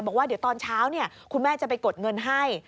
บอกว่าเดี๋ยวตอนเช้าคุณแม่จะไปกดเงินให้